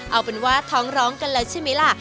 เอาเป็นว่าท้องร้องกันแล้วใช่ไหมล่ะ